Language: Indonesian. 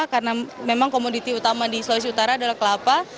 karena memang komoditi utama di sulawesi utara adalah kelapa